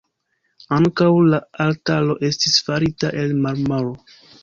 Ankaŭ la altaro estis farita el marmoro.